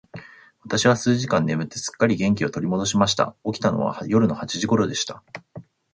私は数時間眠って、すっかり元気を取り戻しました。起きたのは夜の八時頃でした。